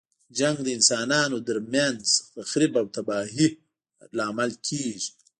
جنګ د انسانانو تر منځ تخریب او تباهۍ لامل کیږي.